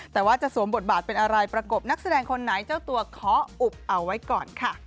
แต่ว่าจะสวมบทบาทเป็นอะไรประกบนักแสดงคนไหนเจ้าตัวขออุบเอาไว้ก่อนค่ะ